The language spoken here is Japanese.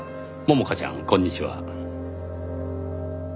百花ちゃんこんにちは。